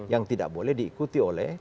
yang tidak boleh diikuti oleh